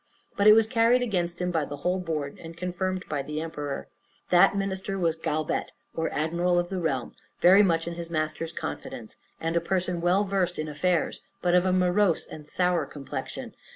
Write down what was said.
But it was carried against him by the whole board, and confirmed by the emperor. That minister was galbet, or admiral of the realm, very much in his master's confidence, and a person well versed in affairs, but of a morose and sour complexion.